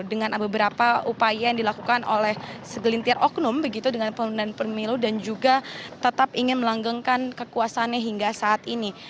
dengan beberapa upaya yang dilakukan oleh segelintir oknum begitu dengan pemerintahan pemilu dan juga tetap ingin melanggengkan kekuasaannya hingga saat ini